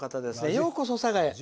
「ようこそ、佐賀へ。